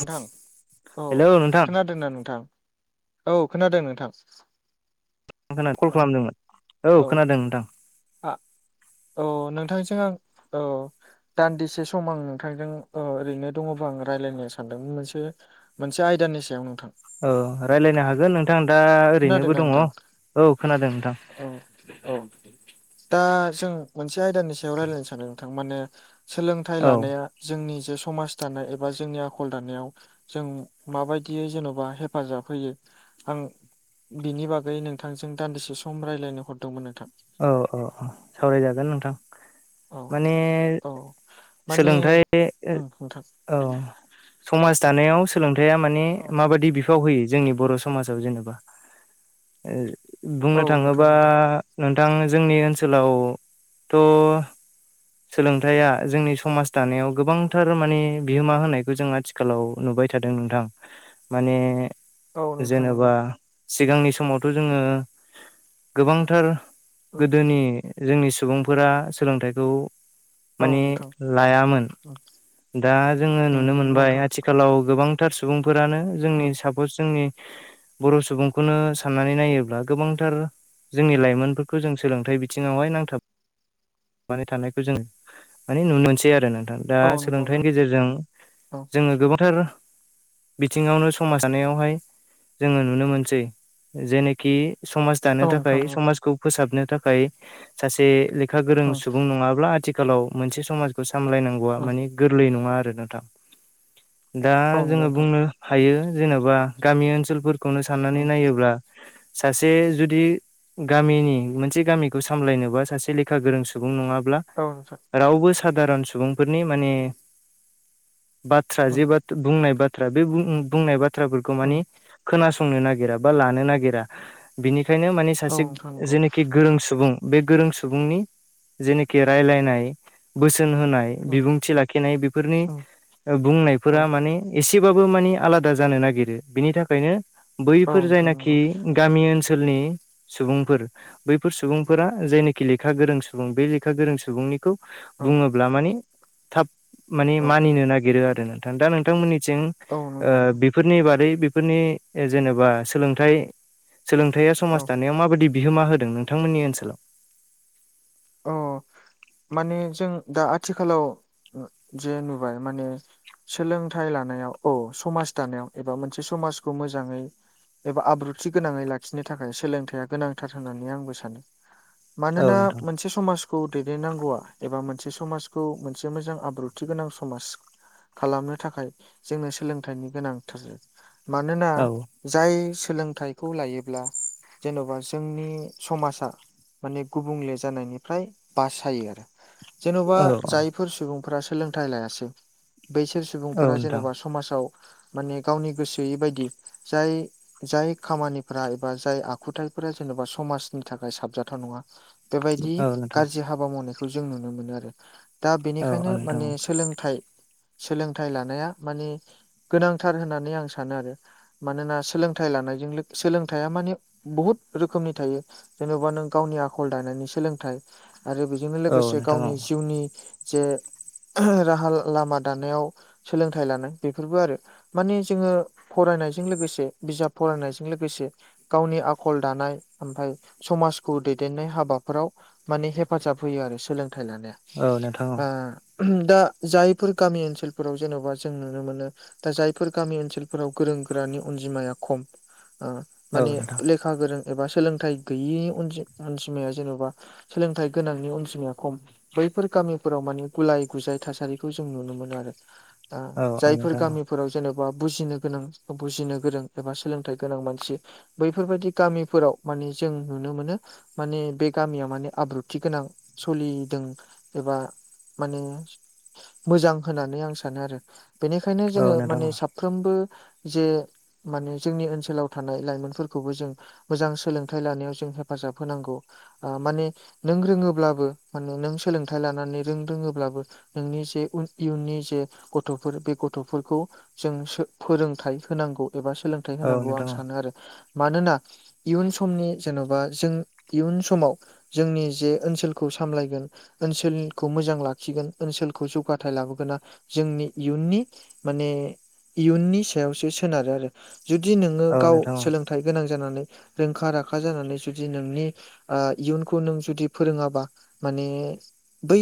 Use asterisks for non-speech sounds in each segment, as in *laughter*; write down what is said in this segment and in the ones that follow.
नोंथां औ हेलौ नोंथां खोनादोंना नोंथां औ खोनादों नोंथां। नोंथांआ कल ओ खालामदोंमोन औ खोनादों नोंथां। औ नोंथांजों आं औ दान्दिसे सम आं नोंथांजों ओ ओरैनो दङबा आं रायज्लायनो। सानदोंमोन मोनसे मोनसे आयदानि सायाव नोंथां। औ रायज्लायनो हागोन नोंथां दा ओरैनोबो खोनादोंना दङ नोंथां औ खोनादों नोंथां। औ दा जों मोनसे आयदानि सायाव रायजलायनो सानो नोंथां माने। सोलोंथाइ औ लानाया औ जोंनि जे समाज दानाय एबा जोंनि आ आखल दानायाव जों माबायदियै जेन'बा हेफाजाब होयो आं बिनि बागै नोंथांजों दान्दिसे सम रायज्लायनो हरदोंमोन नोंथां। औ औ औ सावरायजागोन नोंथां औ माने औ माने सोलोंथाइ। ओं नोंथां औ समाज दानायाव सोलोंथाइआ माने औ माबादि बिफाव होयो जोंनि बर' समाजाव जेनेबा औ बुंनो नोंथां थाङोबा नंगौ नोंथां जोंनि ओनसोलावथ'। सोलोंथाइया जोंनि समाज दानायाव गोबांथार माने बिहोमा होनायखौ जों आथि खालाव नुबाय थादों नोंथां माने। औ नोंथां नंगौ जेनेबा सिगांनि समावथ' जोङो गोबांथार ओं गोदोनि जोंनि सुबुंफोरा सोलोंथाइखौ औ माने नोंथां लायामोन ओं दा जोङो ओं नुनो नंगौ मोनबाय नोंथां आथिखालाव गोबां थार सुबुंफोरानो जोंनि ओं साफ जोंनि बर' सुबुंखौनो साननानै नायोब्ला गोबांथार जोंनि लाइमोन। खौ जों सोलोंथाइ बिथिङावहाय नांथाब। नांथाबनानै थानायखौ जोङो माने नुनो मोनसै आरो नोंथां। दा औ नंगौ सोलोंथाइनि नोंथां गेजेरजों औ जोङो गोबांथार बिथिङावनो समाज जानायावहाय। जोङो नुनो मोनसै जेनोखि समाज। दानो औ थाखाय नोंथां नंगौ समाजखौ फोसाबनो थाखाय सासे लेखा गोरों ओं सुबुं नङाब्ला आथिखाल आथिखालाव मोनसे समाजखौ सामलायनांगौआ ओं माने गोरलै नङा आरो नोंथां। दा औ नंगौ जोङो नोंथां बुंनो हायो जेन'बा गामि ओनसोलफोरखौनो साननानै ओं नायोब्ला। सासे जुदि गामिनि मोनसे गामिखौ सामलायनोबा सासे लेखा गोरों सुबुं नङाब्ला औ‌ नोंथां। रावबो साधारन सुबुंफोरनि माने बाथ्रा ओं जे बा बुंनाय बाथ्रा। बे बुं-बुंनाय बाथ्राफोरखौ मानि खोनासंनो नागिरा बा लानो नागिरा बिनिखायनो माने औ सासे नोंथां नंगौ जेनाखि गोरों सुबुं बे गोरों सुबुंनि जेनिखि रायलायनाय बोसोन होनाय ओं बिबुंथि लाखिनाय बेफोरनि ओं औ बुंनायफोरा माने एसेबाबो मानि आलादा जानो नागिरो बिनि थाखायनो औ बैफोर नोंथां जायनाखि नंगौ गामि ओनसोलनि सुबुंफोर बैफोर सुबुंफोरा जायनोखि लेखा गोरों सुबुं। सुबुं बे लेखा गोरों सुबुंनिखौ औ बुङोब्ला माने थाब माने औ मानिनो नागिरो आरो नोंथां दा नोंथांमोननिथिं ओ औ नंगौ बे- नोंथां बेफोरनि बारै बेफोरनि जेनेबा सोलोंथ सोलोंथाइया समाज औ दानायाव माबादि बिहोमा होदों नोंथांमोननि ओनसोलाव। अ' माने जों दा आथिखालाव जे नुबाय माने सोलोंथाइ लानायाव औ समाज दानायाव एबा मोनसे समाजखौ मोजाङै। एबा आब्रुथि गोनाङै लाखिनो थाखाय सोलोंथाइया गोनांथार होननानै आंबो सानो औ मानोना। नोंथां मोनसे समाजखौ दैदेननांगौआ एबा मोनसे समाजखौ मोनसे मोजां आब्रुथि गोनां समाज। खालामनो थाखाय जोंनो सोलोंथाइनि गोनांथार मानोना औ जाय सोलोंथाइखौ लायोब्ला। जेन'बा जोंनि समाजा माने गुबुंले जानायनिफ्राय बासायो आरो जेनबा औ जाय बेफोर सुबुंफोरा सोलोंथाइ लायासै। बैसोर औ सुबुंफोरा नोंथां जेन'बा समाजाव माने गावनि गोसोयै बायदि जाय जाय खामानिफोरा एबा जाय आखुथायफोरा जेनेबा समाजनि थाखाय साबजाथाव नङा बेबायदि औ नोंथां गाज्रि हाबा मावनायखौ जों नुनो मोनो आरो। दा औ बेनिखायनो नोंथां माने सोलोंथाइ सोलोंथाइ लानाया माने गोनांथार होननानै आं सानो आरो। मानोना सोलोंथाइ लानायजों सोलोंथायाइया माने बहुत रोखोमनि थायो। जेनेबा नों गावनि आखल दानायनि सोलोंथाइ आरो बेजोंनो औ लोगोसे नोंथां गावनि औ जिउनि जे राहा लामा दानायाव सोलोंथाइ लानाय बेफोरबो आरो माने जोङो फरायनायजों लोगोसे बिजाब फरायनायजों लोगोसे गावनि आखल दानाय ओमफ्राय समाजखौ दैदेननाय हाबा- हाबाफोराव माने हेफाजाब होयो आरो सोलोंथाइ लानाया। औ नोंथां आ औ दा जायफोर गामि ओनसोलफोराव जेन'बा जों नुनो मोनो दा जायफोर गामि ओनसोलफोराव गोरों-गोरानि अनजिमाया खम। ओ औ नोंथां औ माने नोंथां लेखा गोरों एबा सोलोंथाइ गैयि अनजि-अनजिमाया जेन'बा सोलोंथाइ गोनांनि अनजिमाया खम। बैफोर गामिफोराव माने गुलाय-गुजाय थासारिखौ जों नुनो मोनो आरो। आ औ जायफोर नोंथां गामि- फोराव जेनेबा बुजिनो गोनां बुजिनो गोरों एबा सोलोंथाइ गोनां मानसि बैफोरबायदि गामिफोराव माने जों नुनो मोनो। माने बे गामियाव माने आब्रुथि गोनां सलिदों एबा माने मोजां होननानै आं सानो आरो बेनिखायनो औ नोंथां औ जोङो नोंथां माने साब- साफ्रोमबो जे माने जोंनि ओनसोलाव थानाय लाइमोनफोरखौबो जों मोजां सोलोंथाइ लानायाव जों हेफाजाब होनांगौ आ माने नों रोङोब्लाबो माने नों सोलोंथाइ लानानै नों रोङोब्लाबो नोंनि जे इयुननि जे गथ'फोर बे गथ'फोरखौ जों सो फोरोंथाइ होनांगौ एबा सोलों- थाइ होनांगौ आं सानो आरो मानोना इयुन समनि जेन'बा जों इयुन समाव जोंनि जे ओनसोलखौ सामलायगोन ओनसोलखौ मोजां लाखिगोन ओनसोलखौ जौगाथाय लाबोगोना जोंनि इयुननि माने इयुननि सायावसो सोनारो आरो। जुदि नोङो गाव सोलोंथाइ गोनां जानानै रोंखा राखा जानानै जुदि नोंनि इयुनखौ नों जुदि फोरोङाबा माने बै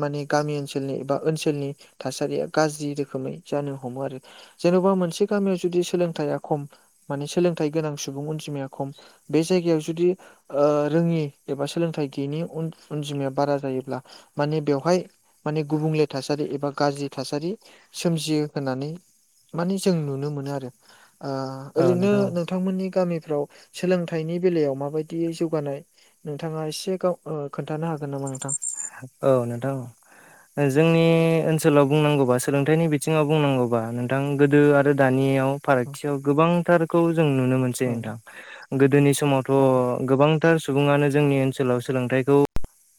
माने गामि ओनसोलनि एबा ओनसोलनि थासारिया गाज्रि रोखोमै जानो हमो आरो। जेन'बा मोनसे गामियाव जुदि सोलोंथाया खम माने सोलोंथाइ गोनां सुबुं अनजिमाया खम बे जायगायाव जुदि ओ रोङि एबा सोलोंथाइ गैयैनि अनजिमाया बारा जायोब्ला माने बेवहाय माने गुबुंले थासारि एबा गाज्रि थासारि सोमजियो होननानै माने जों नुनो मोनो आरो ओ औ ओरैनो नोंथां नोंथांमोननि गामिफ्राव सोलोंथाइनि बेलायाव माबायदि *unintelligible* जौगानाय नोंथाङा एसे गाव ओ खोन्थानो हागोन नामा नोंथां? औ नोंथां जोंनि ओनसोलाव बुंनांगौबा सोलोंथाइनि बिथिङाव बुंनांगौबा नोंथां गोदो आरो दानियाव औ फारागथियाव गोबांथारखौ जों नुनो मोनसै औ नोंथां। गोदोनि समावथ' गोबांथार सुबुङानो जोंनि ओनसोलाव सोलोंथाइखौ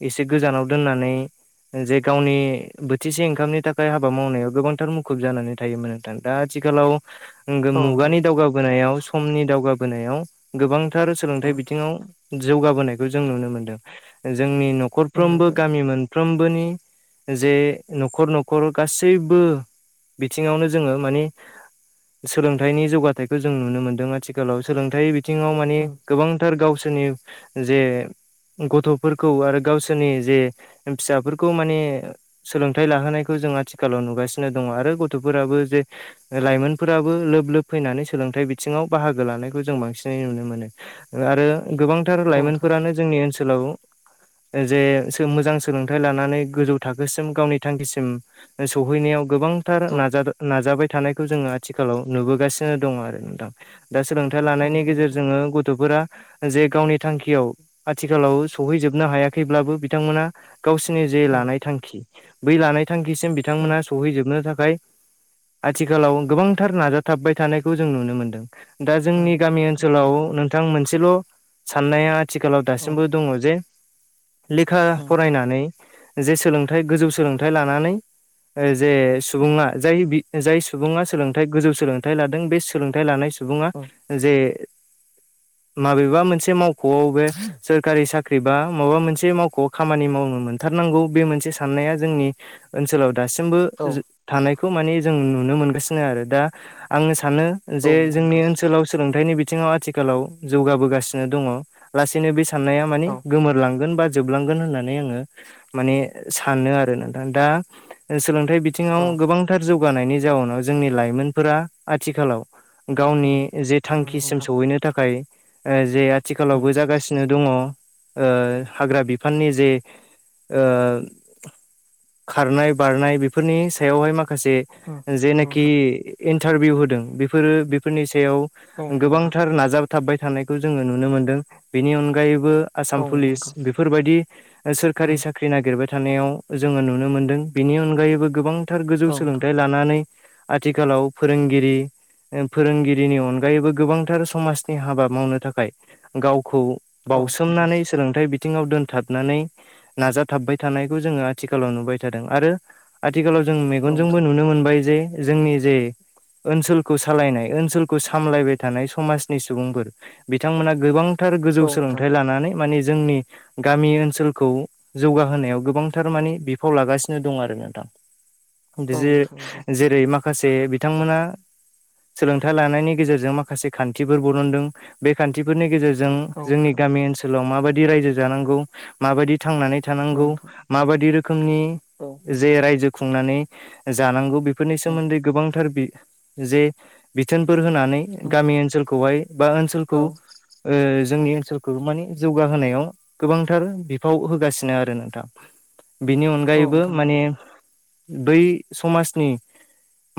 एसे गोजानाव दोननानै जे गावनि बोथिसे ओंखामनि थाखाय हाबा मावनायाव गोबांथार मुखुब जानानै थायोमोन। दा आथिखालाव औ नोंथां मुगानि दावगाबोनायाव समनि दावगाबोनायाव गोबांथार औ सोलोंथाइ बिथिङाव जौगाबोनायखौ जों नुनो मोनदों जोंनि औ न'खरफ्रोमबो नोंथां गामि मोन फ्रोमबोनि जे न'खर न'खर गासैबो बिथिङावनो जोङो मानि सोलोंथाइनि जौगाथायखौ जों नुनो मोन्दों आथिखालाव सोलोंथाइ जोङो माने औ गोबांथार गावसोरनि जे गथ'फोरखौ आरो गावसो नि जे फिसाफोरखौ माने सोलोंथाइ लाहोनायखौ जों आथिखालाव नुगासिनो दङ आरो गथ'फोराबो जे लाइमोनफोराबो लोब लोब फैनानै सोलोंथाइ बिथिङाव बाहागो लानायखौ जों बांसिनै नुनो मोनो। आरो गोबांथार औ नोंथां लाइमोनफोरानो जोंनि ओनसोलाव जे मोजां सोलोंथाइ लानानै गोजौ थाखोसिम गावनि थांखिसिम सहैनायाव गोबांथार औ नाजा नाजाबाय थानायखौ जोङो आथिखालाव नुबोगासि दं आरो नोंथां, दा सोलोंथाइ औ लानायनि नोंथां गेजेरजोंनो गथ'फोरा जे गावनि थांखियाव आथिखालाव सहैजोबनो हायाखैब्लाबो बिथांमोना गावसोरनि जे लानाय थांखि बै लानाय थांखिसिम बिथांमोना सौहैजोबनो थाखाय आथिखालाव गोबांथार नाजाथाबबाय थानायखौ जों नुनो मोनदों। दा जोंनि गामि नंगौ ओनसोलाव नोंथां मोनसेल' साननाया आथिखालाव उम नंगौ नोंथां उम दासिमबो दङ जे लेखा उम फरायनानै जे सोलोंथाइ गोजौ सोलोंथाइ लानानै जे सुब उम जाय सुबुङा सोलोंथाइ गोजौ सोलोंथाइ लादों बे सोलोंथाइ लानाय सुबुङा उम जे माबेबा मोनसे मावख'आव बे सोरखारि साख्रि बा माबा मोनसे से मावखौ खामानि मावनो मोनथारनांगौ बे मोनसे साननाया जोंनि ओनसोलाव। दासिमबो औ थानायखौ माने जों नुनो मोनगासिनो आरो दा आङो सानो जे नंगौ जोंनि नोंथां ओनसोलाव सोलोंथाइनि बिथिङाव आथिखालाव जौगाबोगासिनो दङ लासैनो बे साननाया मानि‌‌ औ गोमोरलांगोन बा जोबलांगोन होननानै आङो माने सानो आरो नोंथां दा सोलोंथाइ बि बिथिङाव औ गोबांथार जौगानायनि जाउनाव जोंनि लाइमोनफोरा आथिखालाव। गावनि उम जे नंगौ थांखिसिम नोंथां सहैनो थाखाय जे उम आथिखालावबो जागासिनो दङ ओ हाग्रा बिफाननि जे ओ खारनाय बारनाय बेफोरनि सायावहाय माखासे उम नंगौ जेनाखि नोंथां इन्टारभिउ होदों बेफोरो बेफोरनि सायाव औ नंगौ नोंथां गोबांथार नाजाबाथाबबाय थानायखौ जोङो नुनो मोनदों बेनि अनगायैबो आसाम औ पुलिस नंगौ बेफोरबायदि सोरखारि साख्रि फै नागिरबाय थानायाव जोङो नुनो मोनदों बेनि अनगायैबो गोबां गोथार गोजौ नोंथां सोलोंथाइ लानानै आथिखालाव फोरोंगिरि फोरोंगिरिनि अनगायैबो गोबांथार समाजनि हाबा मावनो थाखाय गावखौ उम औ नोंथां बावउसोमनानै सोलोंथाइ बि बिथिङाव दोनथाबनानै नाजाथाबबाय थानायखौ जोङो आथिखालाव नुबाय थादों आरो आथिखालाव जों औ मेगनजोंबो नोंथां नुनो मोनबाय जे जोंनि जे ओनसोल खौ सालायनाय ओनसोलखौ सामलायबाय थानाय समाजनि सुबुंफोर बिथांमोना गोबां थार गोजौ औ नोंथां सोलोंथाइ लानानै माने जोंनि। गामि ओनसोलखौ जौगाहोनायाव गोबांथार माने बिफाव लागासिनो दं आरो नोंथां। *inaudible* बिदि जेरै माख माखासे बिथांमोना सोलोंथाइ लानायनि गेजेरजों माखासे खान्थिफोर बरनदों। बे खान्थिफोरनि गेजेरजों जोंनि नोंथां गामि ओनसोलाव माबायदि रायजो जानांगौ माबायदि थांनानै औ थानांगौ नोंथां माबायदि रोखोमनि नंगौ जे रायजो खुंनानै जानांगौ बेफोरनि औ सोमोन्दै गोबांथार जे बिथोनफोर होनानै नोंथां गामि ओनसोलखौहाय बा ओनसोलखौ ओ जोंनि ओनसोलखौ मानि जौगाहोनायाव गोबांथार बिफाव होगासिनो आरो नोंथां बिनि औ नोंथां औ उम औ अनगायैबो नोंथां नंगौ माने बै समाजनि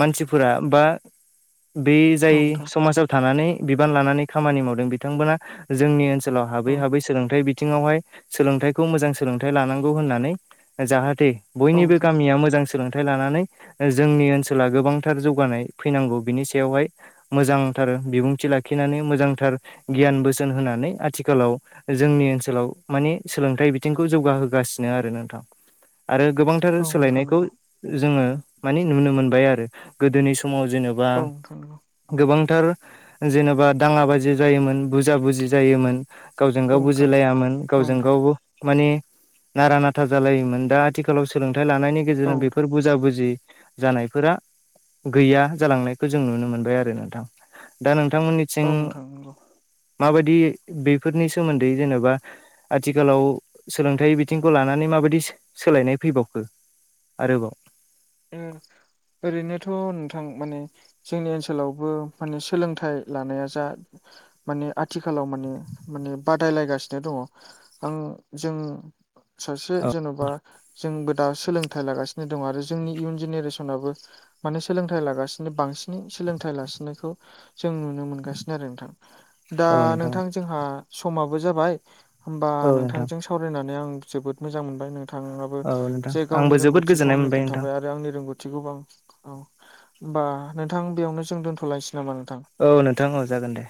मानसिफोरा बा बे औ जाय नोंथां समाजाव थानानै बिबान लानानै खामानि मावदों बिथांमोना जोंनि ओनसोल ओ हाबै औ हाबै सोलोंथाइथि बिथिङावहाय सोलोंथाइखौ मोजां सोलोंथाइ लानांगौ होननानै जाहाथे औ बयनिबो गामिया मोजांसो सोलोंथाइ लानानै जोंनि ओनसोला गोबांथार जौगानाय फैनांगौ बिनि सायावहाय मोजांथार बिबुंथि लाखिनानै मोजांथार गियान बोसोन होनानै आथिखालाव जोंनि ओनसोलाव मानिे सोलोंथाइ बिथिंखौ जौगाहोगासिनो आरो नोंथां आरो गोबां ओ नोंथां औ नोंथां सोलायनायखौ नंगौ जोङो मानि नुनो मोनबाय आरो गोदोनि समाव जेनेबा औ नोंथां नंगौ बां गोबांथार जेनेबा दाङला बाजि जायोमोन बुजा बुजि जायोमोन गावजों औ गाव नोंथां औ बुजिलायामोन गावजों नोंथां गाव माने नारा नाथा जालायोमोन दा आथिखा आथिखालाव सोलोंथाइ लानायनि औ गेजेरजों नोंथां औ बेफोर बुजा बुजि जानायफोरा गैया जालांनायखौ जों नुनो मोनबाय आरो नोंथां दा नोंथांमोननि जं नोंथां नंगौ माबायदि बेफोरनि सोमोन्दै जेनेबा आथिखालाव सोलोंथायाइ बिथिंखौ लानानै माबायदि सोलायनाय फैबावखो आरोबाव ओरैनोथ' नोंथां माने जोंनि ओनसोलावबो माने सोलोंथाइ लानाया जा माने आथिखालाव माने माने बादायलायगासिनो दङ आं जों सासे औ जेन'बा जोंबो दा सोलोंथाइ लागासिनो दं आरो जोंनि इयुन जेनेरेसनाबो माने सोलोंथाइ लागासिनो बांसिनै सोलोंथाइ लासिनायखौ जों नुनो मोनगासिनो आरो नोंथां दा नोंथां जोंहा समाबो जाबाय होमबा औ नोंथां नोंथांजों सावरायनानै आं जोबोद मोजां मोनबाय नों थाङाबो औ नोंथां जे गावनि आंबो जोबोद रोंगौथिखौ गोजोननाय आंनो मोनबाय नोंथां खोन्थाबाय आरो आंनि रोंगौथि गोबां औ होनोमबा नोंथां बेयावनो जों दोन्थ'लायनोसै नामा नोंथां औ नोंथां औ जागोन दे